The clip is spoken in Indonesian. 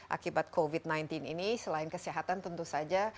akibat covid sembilan belas ini selain kesehatan tentu saja